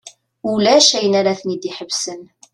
Ulac ayen ara ten-id-iḥebsen.